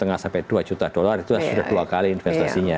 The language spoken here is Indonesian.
yang hanya satu lima sampai dua juta dollar itu sudah dua kali investasinya